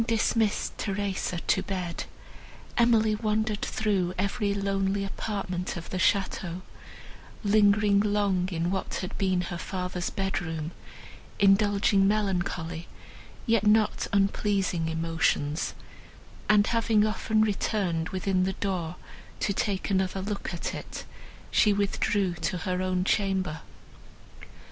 Having dismissed Theresa to bed, Emily wandered through every lonely apartment of the château, lingering long in what had been her father's bedroom, indulging melancholy, yet not unpleasing, emotions, and, having often returned within the door to take another look at it, she withdrew to her own chamber.